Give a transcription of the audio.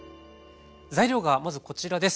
材料がまずこちらです。